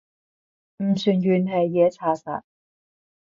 唔算怨氣嘢查實